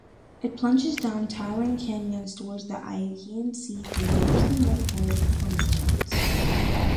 It plunges down towering canyons toward the Aegean Sea through mostly metamorphic formations.